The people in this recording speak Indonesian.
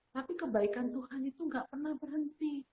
tapi kebaikan tuhan itu gak pernah berhenti